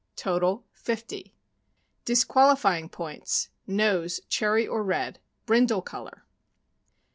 10 Total 50 Disqualifying Points: Nose, cherry or red; brindle color.